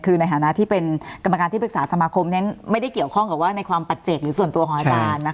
คือในฐานะที่เป็นกรรมการที่ปรึกษาสมาคมนั้นไม่ได้เกี่ยวข้องกับว่าในความปัจเจกหรือส่วนตัวของอาจารย์